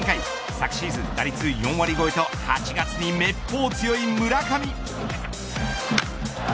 昨シーズン、打率４割超えと８月にめっぽう強い村上。